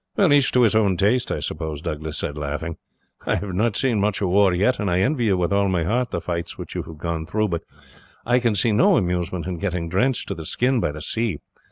"Well, each to his taste, I suppose," Douglas said, laughing; "I have not seen much of war yet, and I envy you with all my heart the fights which you have gone through; but I can see no amusement in getting drenched to the skin by the sea.